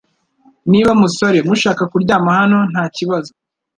Niba musore mushaka kuryama hano ntakibazo